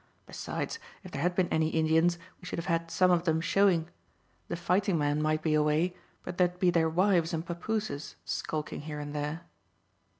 Besides, if there had been any Indians we should have had some of them showing. The fighting men might be away, but there'd be their wives and papooses skulking here and there."